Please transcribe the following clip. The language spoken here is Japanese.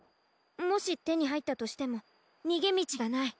もしてにはいったとしてもにげみちがない。